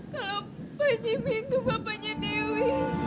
kalau pak jimmy itu bapaknya dewi